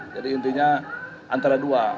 jadi intinya antara dua